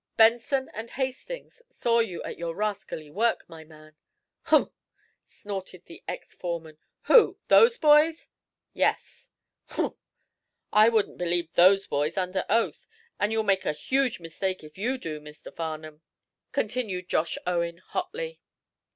"Benson and Hastings saw you at your rascally work, my man." "Humph!" snorted the ex foreman. "Who? Those boys?" "Yes." "Humph! I wouldn't believe those boys under oath, and you'll make a huge mistake if you do, Mr. Farnum," continued Josh Owen, hotly.